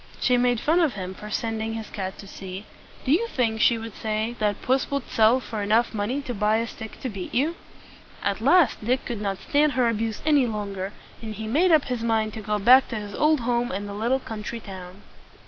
She made fun of him for sending his cat to sea. "Do you think," she would say, "that puss will sell for enough money to buy a stick to beat you?" At last Dick could not stand her abuse any longer, and he made up his mind to go back to his old home in the little country town.